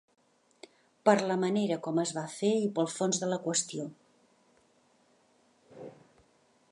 Per la manera com es va fer i pel fons de la qüestió.